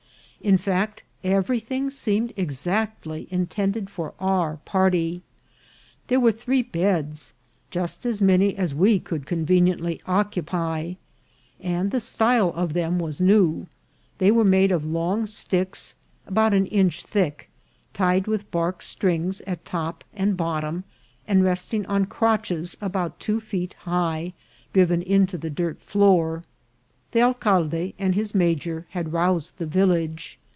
In fact, everything seemed exactly intended for our party ; there were three beds, just as many as we could conveniently occupy ; and the style of them was new : they were made of long sticks about an inch thick, tied with bark strings at top and bottom, and resting on crotches about two feet high, driven into the dirt floor. The alcalde and his major had roused the village.